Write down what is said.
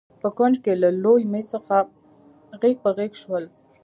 په کونج کې له لوی مېز څخه غېږ په غېږ شول.